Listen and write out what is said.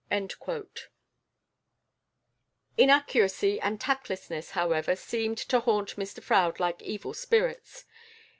" Inaccuracy and tactlessness, however, seemed to haunt Mr Froude like evil spirits.